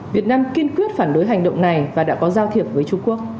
việt nam kiên quyết phản đối hành động này và đã có giao thiệp với trung quốc